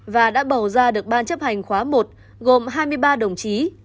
và đã bầu ra được ban chấp hành khóa một gồm hai mươi ba đồng chí